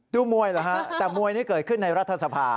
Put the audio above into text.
ดูมวยเหรอฮะแต่มวยนี่เกิดขึ้นในรัฐสภา